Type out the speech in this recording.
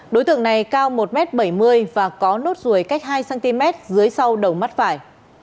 đối tượng này cao một m bảy mươi và có nốt ruồi cách hai cm dưới sau đầu mắt phải